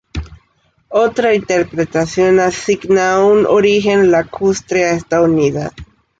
Otra interpretación asigna un origen lacustre a esta unidad.